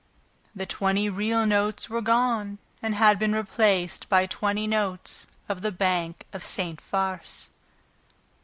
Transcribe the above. The twenty real notes were gone and had been replaced by twenty notes, of the "Bank of St. Farce"!